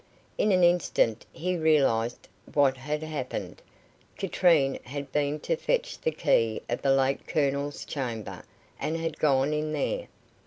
In an instant he realised what had happened: Katrine had been to fetch the key of the late Colonel's chamber, and had gone in there.